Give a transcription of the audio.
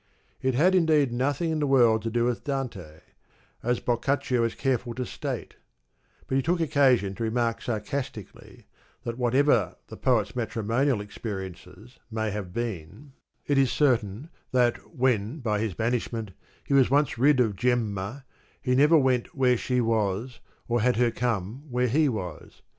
It had indeed nothing in the world to do with Dante, as Boccaccio is careful to state; but he took occasion to remark sarcastically that whatever the poet's matrimonial experiences may have been, it is certain that when, by his banishment, he was once rid of Gemma, he never went where she was or had her come where he was.